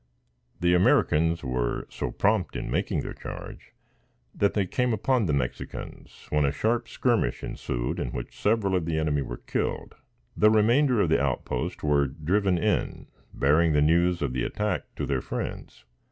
The Americans were so prompt in making their charge that they came upon the Mexicans, when a sharp skirmish ensued, in which several of the enemy were killed. The remainder of the outpost were driven in, bearing the news of the attack to their friends.